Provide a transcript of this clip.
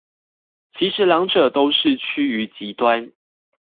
其實兩者都是趨於極端